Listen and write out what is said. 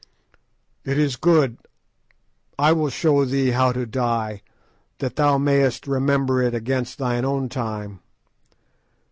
"It is good. I will show thee how to die, that thou mayest remember it against thine own time.